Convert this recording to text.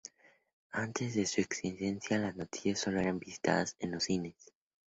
Antes de su existencia, las noticias solo eran vistas en los cines.